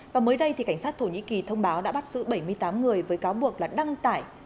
và mới đây thì cảnh sát thổ nhĩ kỳ thông báo đã bắt giữ bảy mươi tám người với cáo buộc là đăng tải